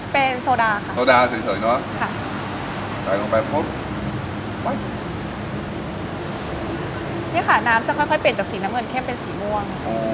เป็นโซดาค่ะโซดาเฉยเนอะค่ะใส่ลงไปปุ๊บนี่ค่ะน้ำจะค่อยค่อยเปลี่ยนจากสีน้ำเงินเข้มเป็นสีม่วง